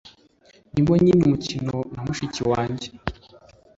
Ndimo nkina umukino na mushiki wanjye.